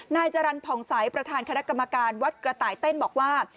นายจรรย์ผ่องใสประธานคณะกรรมการวัดกระต่ายเต้นบอกว่า